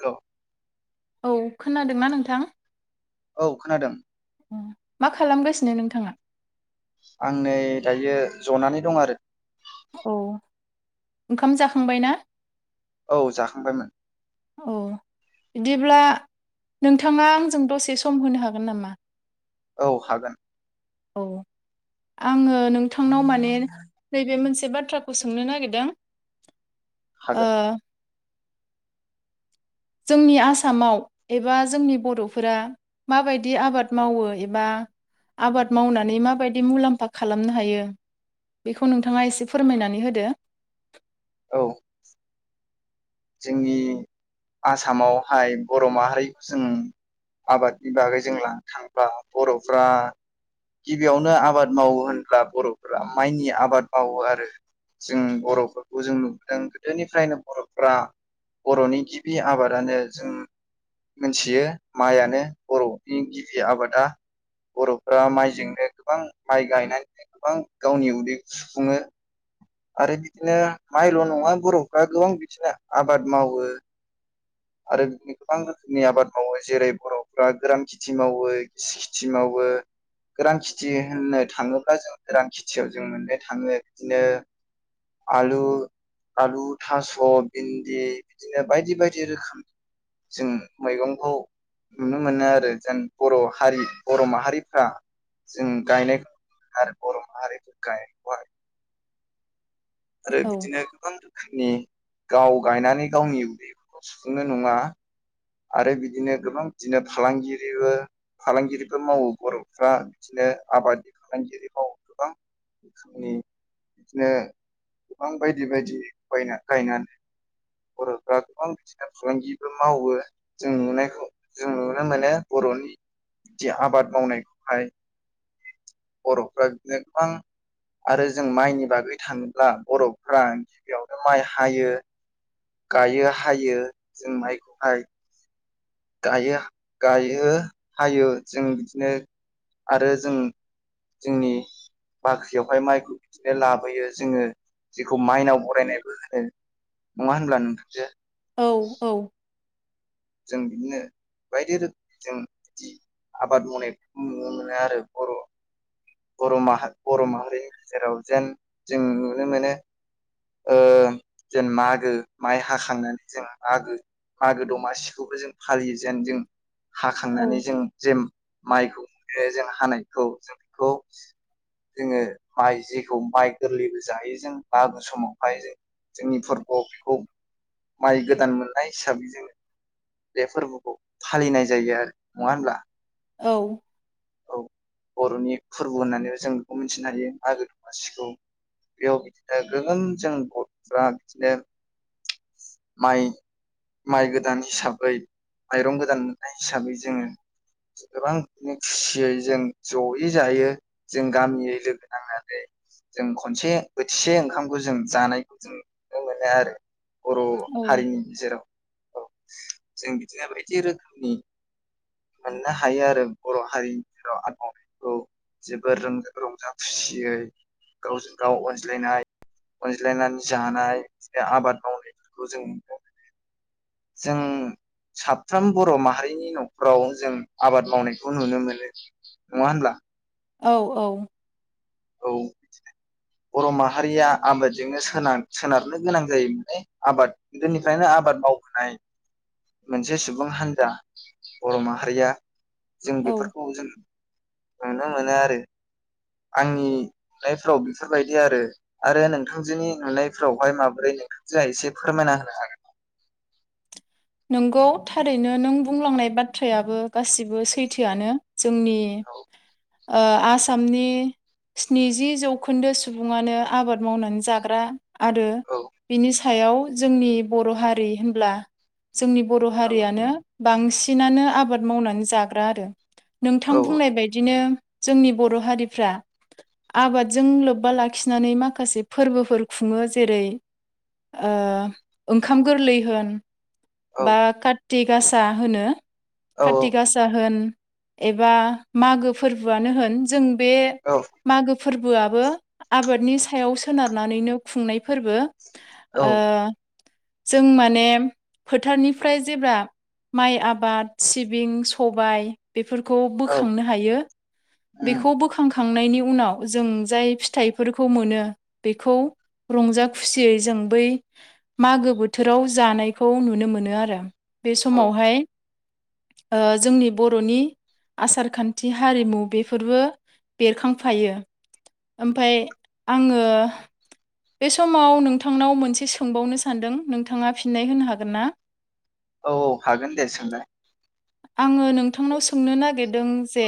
हेल'। [inaudible] औ खोनादोंना नोंथां? औ खोनादों। मा खालामगासिनो नोंथाङा? आं नै दायो जनानै दं आरो। औ ओंखाम जाखांबाय ना? औ जाखांबायमोन । औ बिदिब्ला नोंथाङा आंजों दसे सम होनो हागोन नामा? औ हागोन। औ आङो नोंथांनाव माने नैबे मोनसे बाथ्राखौ सोंनो नागिरदों। ओ। हागोन जोंनि आसामाव एबा जोंनि बर'फोरा माबायदि आबाद मावो एबा आबाद मावनानै माबायदि मुलाम्फा खालामनो हायो बेखौ नोंथाङा एसे फोरमायनानै होदो। औ। जोंनि आसामावहाय बर' माहारिखौ जों आबादनि बागै जों लानो थांब्ला बर'फ्रा गिबियावनो आबाद मावो होनब्ला बर'फोरा माइनि आबाद मावो आरो जों बर'फोरखौ जों नुबोदों गोदोनिफ्रायनो बर'- फ्रा बर'नि गिबि आबादानो जों मिथियो माइयानो बर'नि गिबि आबादा बर'फ्रा माइजोंनो गोबां माइ गायनानैनो गोबां गावनि उदैखौ सुफुङो आरो बिदिनो माइल' नङा बर'फ्रा गोबां बि- दिनो आबाद मावो आरो बिदि गोबां रोखोमनि आबाद मावो जेरै-बर'फ्रा गोरान खेथि मावो गिसि खिथि मावो गोरान खेथि होननो थाङोब्ला जों गोरान खेथियाव जों मोननो थाङो बिदिनो आलु -आलु थास' भिन्दि बिदिनो बायदि बायदि रोखोम जों मैगंखौ नुनो मोनो आरो जों बर' हारि बर' माहारिफ्रा जों गायनायखौ आरो बर' हारि गायनायखौहाय आरो औ बिदिनो गोबां रोखोमनि। गाव गायनानै गावनि उन्दैफोरखौ सुफुंनो नङा। आरो बिदिनो गोबां बिदिनो फालांगिरिबो-फालांगिरिबो मावो बर'फ्रा बिदिनो आबादनि फालांगिरि मावो गोबां रोखोमनि बिदिनो गोबां बायदि बायदि बायना गायनानै बर'फ्रा गोबां बिदिनो फालांगिबो मावो । जों नुनायखौ जों नुनो मोनो बर'नि जि आबाद मावनायखौहाय बर'फ्रा बिदिनो गोबां आरो जों माइनि बागै थाङोब्ला बर'फ्रा गिबियावनो माइ हायो गायो हायो जों माइखौहाय गाया-गायो हायो जों बिदिनो आरो जों जोंनि बाख्रियावहाय माइखौ बिदिनो लाबोयो जोङो जेखौ माइनाव बरायनायबो होनो नङा होनब्ला नोंथांजौ औ औ। जों बिदिनो बायदि रोखोम जों बिदि आबाद मावनायखौ नुनो मोनो आरो बर' बर' माहा-बर' माहारिनि गेजेराव जेन जों नुनो मोनो ओ जेन मागो माइ हाखांनानै जों मागो-मागो दमासिखौबो जों फालियो जेन जों औ हाखांनानै जों जेन माइखौ ए जों हानायखौ जों बेखौ जोङो माइ जेखौ माइ गोरलैबो जाहायो जों मागो समावहाय जों जोंनि फोरबोआव बेखौ माइ गोदान मोननाय हिसाबै जोङो। बे फोरबोखौ फालिनाय जायो आरो नङा होनब्ला? औ औ बर'नि फुरबु होननानै जों बेखौ मिथिनो हायो मागो दमासिखौ बेयाव बिदिनो गोबां जों गथ'फ्रा बिदिनो माइ-माइ गोदान हिसाबै माइरं गोदाननाय मोननाय हिसाबै जोङो गोबां बिदिनो खुसियै जों जयै जायो जों गामियै लोगो नांनानै जों खनसे बोथिसे ओंखामखौ जों जानायखौ जों नुनो मोनो आरो । बर' औ हारिनि गेजेराव औ जों बिदिनो बायदि रोखोमनि मोननो हायो आरो । बर' हारिनि गेजेराव आबाद मावनायखौ जोबोर रंजा खुसियै गावजों गाव अनज्लायनाय अनज्लायनानै जानाय बिदिनो आबाद मावनायफोरखौ जों नु [unintelligible] जों साफ्रोम बर' माहारिनि न'खराव जों आबाद मावनाय खौ नुनो मोनो नङा होनब्ला? औ औ औ बर' माहारिया आबादजोंनो होनाय सोनार-सोनारनो गोनां जायोमोने आबाद गोदोनिफ्रायनो आबाद मावबोनाय मोनसे सुबुं हान्जा बर' माहारिया जों औ बेफोरखौ जों नुनो मोनो आरो आंनि नुनायफोराव बेफोरबायदि आरो आरो नोंथांजोनि नुनायफोरावहाय माबोरै नोंथांजोआ एसे फोरमायना होनो हागोनना? नोंगौ थारैनो नों बुंलांनाय बाथ्रायाबो गासिबो सैथोआनो । जोंनि ओ आसामनि स्निजि जौखोन्दो सुबुङानो आबाद मावनानै जाग्रा आरो बिनि सा याव जोंनि बर' हारि होनब्ला जोंनि बर' हागौ हारियानो बांसिनानो आबाद मावनानै जाग्रा आरो । नोंथां औ बुंनाय बायदिनो जोंनि बर' हारिफ्रा आबादजों लोब्बा लाखिनानै माखासे फोरबोफोर खुङो जेरै ओ ओंखाम गोरलै होन औ बा कात थिगासा होनो औ खाथिगासा होन एबा मागो फोरबोआनो होन जों बे औ मागो फोरबोआबो आबादनि सायाव सोनारनानैनो खुंनाय फोरबो औ । ओ जों माने फोथारनिफ्राय जेब्ला माइ आबाद सिबिं सबाय बेफोरखौ औ बोखांनो हायो बेखौ बोखांखा खांनायनि उनाव जों जाय फिथाइफोरखौ मोनो बेखौ रंजा खुसियै जों बै मागो बोथोराव जानाय खौ नुनो मोनो आरो । बे औ समावहाय ओ जोंनि बर'नि आसार खान्थि हारिमु बेफोरबो बेरखांफायो ओमफाय आङो बे समाव नोंथांनाव मोनसे सोंबावनो सानदों नोंथाङा फिननाय होनो हागोन ना? औ औ हागोन दे सोंनाय। आङो नोंथांनाव सोंनो नागिरदों जे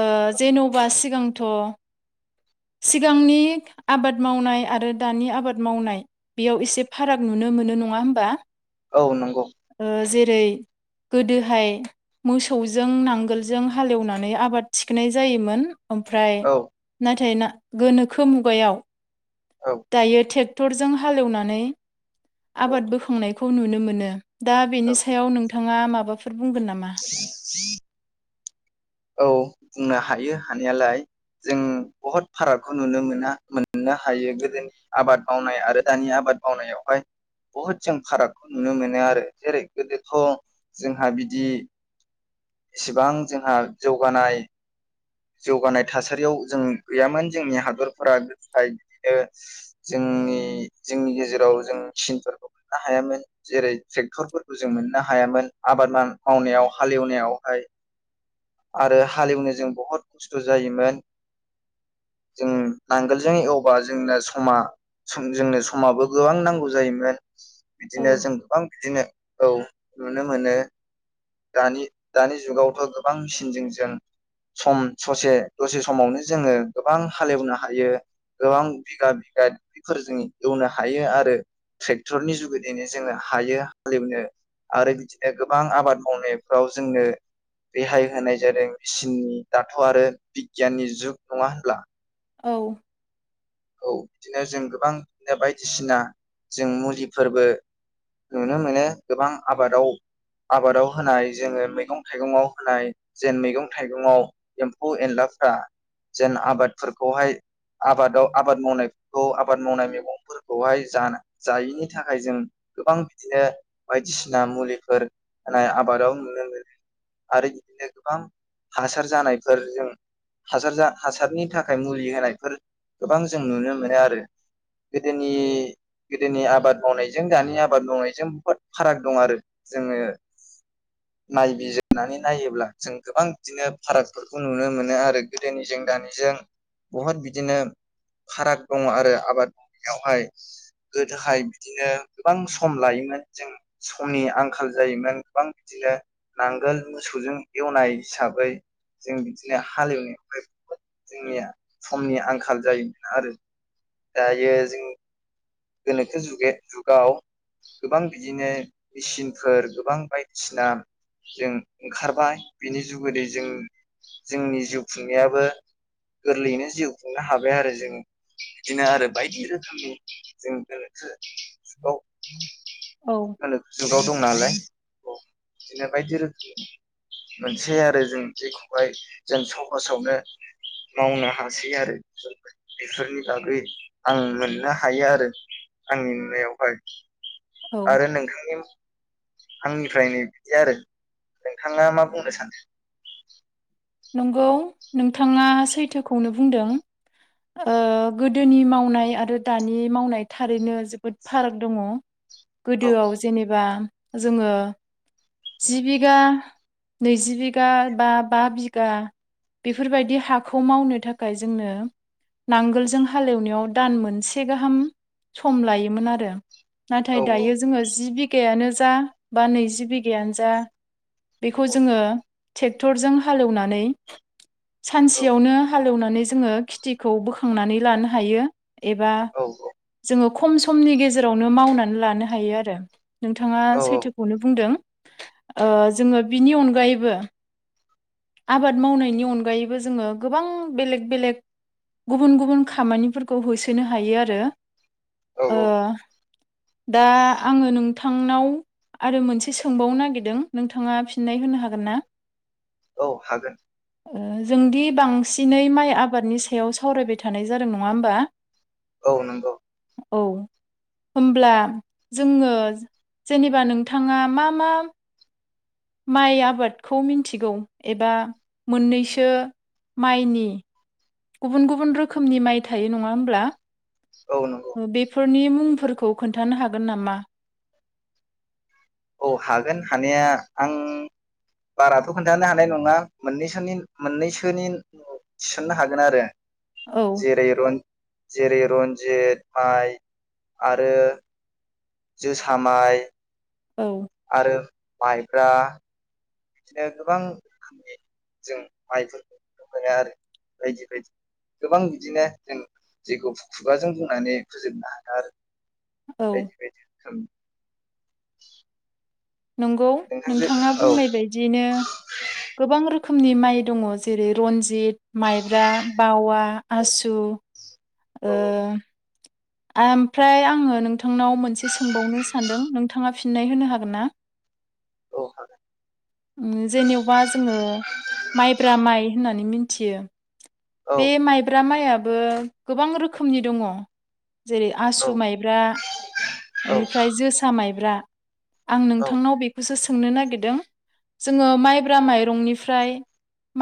ओ जेन'बा सिगांथ' सिगांनि आबाद मावनाय आरो दानि आबाद मावनाय बेयाव एसे फाराग नुनो मोनो नङा होमबा? औ नंगौ। [unintelligible] गोदोहाय मोसौजों नांगोलजों हालेवनानै आबाद थिखोनाय जायोमोन। ओमफ्राय औ नाथाय ना गोनोखो मुगायाव औ दायो टेक टरजों हालेवनानै औ आबाद बोखांनायखौ नुनो मोनो। दा औ बेनि सायाव नों थाङा माबाफोर बुंगोन नामा? औ बुंनो हायो हानाययाालाय, जों बहुद फारागखौ नुनो मोना मोननो हायो गोदोनि आबाद मावनाय आरो दानि आबाद मावनायावहाय बुहुद जों फारागखौ नुनो मोनो आरो। जेरै गोदोथ' जोंहा बिदि इसिबां जोंहा जौगानाय जौगानाय थासारियाव जों गैयामोन जोंनि हादरफोरा गोदोहाय बिदिनो जोंनि जोंनि गेजेराव जों मिसिनफोरखौ मोननो हायामोन जेरै ट्रेक्टरफोरखौ जों मोननो हायामोन, आबाद माव-मावनायाव हालेवनायावहाय आरो हालेवनो जों बहुद खस्थ' जायोमोन। जों नांगोलजों एवबा जोंनो समा जोंनो समाबो गोबां नांगौ जायोमोन। औ बिदिनो जों गोबां बिदिनो औ नुनो मोनो दानि दानि जुगावथ' गोबां मेचिनजों जों सम ससे दसे समावनो जोङो गोबां हालेवनो हायो, गोबां बिगा बिगा दुब्लिफोर जों एवनो हायो आरो ट्रेक्टरनि जुगिदैनो जोङो हायो हालेवनो आरो बिदिनो गोबां आबाद मावनायफ्राव जोंनो रेहाय होनाय जादों मेचिननि दाथ' आरो बिगियाननि जुग नङा होनब्ला? औ। औ बिदिनो जों गोबां बिदिनो बायदिसिना जों मुलिफोरबो नुनो मोनो, गोबां आबादाव आबादाव होनाय जोङो मैगं थाइगङाव होनाय जेन मैगं थाइगङाव एम्फौ एनलाफ्रा जेन आबादफोरखौहाय आबादाव आबाद मावनायफोरखौ आबाद मावनाय मैगंफोरखौहाय जा-जायिनि थाखाय जों गोबां बिदिनो बायदिसिना मुलिफोर होनाय आबादाव नुनो मोनो आरो बिदिनो गोबां हासार जानायफोर जों हासार हासारनि थाखाय मुलि होनायफोर गोबां जों नुनो मोनो आरो। गोदोनि गोदोनि आबाद मावनायजों दानि आबाद मावनायजों बुहुद फाराग दं आरो जोङो नायबिजिरनानै नायोब्ला जों गोबां बिदिनो फारागफोरखौ नुनो मोनो आरो गोदोनिजों दानिजों बुहुद बिदिनो फाराग दङ आरो आबाद मावनायावहाय गोदोहाय बिदिनो गोबां सम लायोमोन जों समनि आंखाल जायोमोन गोबां बिदिनो नांगोल मोसौजों एवनाय हिसाबै जों बिदिनो हालेवनो [unintelligible] जोंनिया समनि आंखाल जामोन आरो दायो जों गोनोखो जुगे जुगाव गोबां बिदिनो मेचिनफोर गोबां बायदिसिना जों ओंखारबाय बिनि जुगदै जों जोंनि जिउ खुंनायाबो गोरलैयैनो जिउ खुंनो हाबाय आरो जों बिदिनो आरो बायदि रोखोमनि जों गोनोखो औ जुगाव गोनोखो जुगाव दं नालाय औ बिदिनो बायदि रोखोम मोनसेै आरो जों जेखौहाय जों सहजावनो मावनो हासै आरो बेफोरनि बागै आं मोननो हायो आरो। आंनि नुनायाव हाय औ आरो नोंथांनि आंनिफ्रायनो बिदि आरो नोंथाङा मा बुंनो सानो? नंगौ नोंथाङा सैथोखौनो बुंदों। ओ गोदोनि मावनाय आरो दानि मावनाय थारैनो जोबोद फाराग दङ। औ गोदोआव जेनेबा जोङो जि बिगा नैजि बिगा बा बा बिगा गा बेफोर बायदि हाखौ मावनो थाखाय जोंनो नांगोलजों हालेवनायाव दान मोनसे गाहाम सम लायोमोन आरो। औ नाथाय दायो जोङो जि बि गायानो जा बा नैजि बिगायानो जा बेखौ जोङो ट्रेक्टर जों हालौवना नै सानसेयावनो हालेवनानै जोङो खिथिखौ बोखांनानै लानो हायो। एबा औ जोङो खम समनि गेजेरावनो मावनानै लानो हायो आरो । नोंथाङा औ सैथोखौनो बुंदों । ओ जोङो बिनि अनगायैबो आबाद मावनायनि अनगायैबो जोङो गोबां बेलेग बेलेग गुबुन गुबुन खामानिफोरखौ होसोनो हायो आरो । औ औ दा आङो नोंथांनाव आरो मोनसे सोंबावनो नागिरदों नोंथाङा फिननाय होनो हागोन ना? औ हागोन । ओ जोंदि बांसिनै माइ आबादनि सायाव सावरायबाय थानाय जादों नङा होमबा? औ नंगौ । औ होमब्ला जोङो जेनेबा नोंथाङा मा मा माइ आबादखौ मिन्थिगौ एबा मोननैसो माइनि गुबुन गुबुन रोखोमनि माइ थायो नङा होमब्ला? औ नंगौ ओ बेफोरनि मुं मुंफोरखौ खोन्थानो हागोन नामा? औ हागोन हानाया आं बाराथ' खोन्थानो हानाय नङा मोननैसोनि मोननैसोनि थिसननो हागोन आरो आं औ जेरै रन जेरै रन्जित माइ आरो जोसा माइ औ आरो माइब्रा बिदिनो गोबां रोखोमनि जों माइफोरखौ नुनो मोनो आरो बायदि बायदि गोबां बिदिनो जों जैखौ खुगाजों बुंनानै फोजोबनो हाया आरो । औ बायदि बायदि रोखोम [inaudible] नंगौ नोंथांजो नोंथाङा औ बुंनाय बायदिनो गोबां रोख खोमनि माइ दङ जेरै रन्जित, माइब्रा, बावा, आसु, ओ आमफ्राय आङो नोंथांनाव मोनसे सो बावनो सानदों नोंथाङा फि नाय होनो हागोन ना? औ हागोन । उम जेनेबा जोङो माइब्रा माइ होननानै मिनथियो । बे माइब्रा माइआब बो गोबां रोखोमनि दङ जेरै औ आसु माइब्रा औ एनिफ्राय जोसा माइब ब्रा आं औ नोंथांनाव बेखौसो सो सोंनो नागिरदों जोङो माइब्रा माइरंनिफ्राय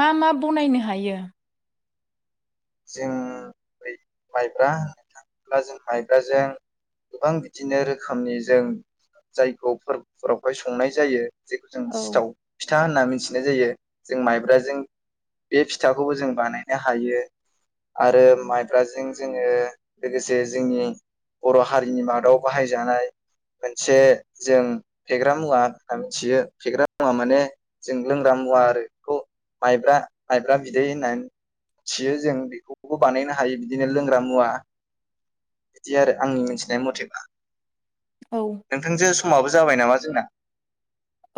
मा मा बनायनो हायो? जों बै माइब्रा होनना थांङोब्ला जों माइब्राजों गोबां बिदिनो रोखोमनि जों जायखौ फोरबोफोरावहाय संनाय जायो । जेखौ जों औ सिथाव फिथ था होनना मिथिनाय जायो जों माइब्राजों बे फिथाखौबो जों बानायनो हायो । आरो माइब्राजों जोङो लोगोसे जोंनि बर' हारिनि मादाव बाहायजानाय मोनसे जों फेग्रा मुवा होनना मिथियो फेग्रा मुवा माने जों लोंग्रा मुवा आरो बेखौ माइब्रा माइब्रा बिदै होननानै मिथियो जों बेखौबो बानायनो हायो बिदिनो लोंग्रा मुवा बिदि आरो आंनि मिथिनाय मथेबा औ नोंथांजो समाबो जाबाय नामा जोंना औ